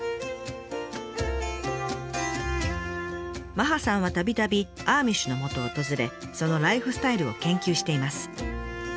麻葉さんはたびたびアーミッシュのもとを訪れそのライフスタイルを研究しています。